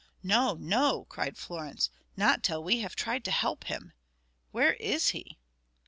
"No! no!" cried Florence. "Not till we have tried to help him. Where is he?"